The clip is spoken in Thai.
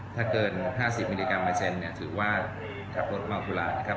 ถ้าเกิน๕๐มิลลิกรัมเปอร์เซ็นต์ถือว่าขับรถเมาบุหลานะครับ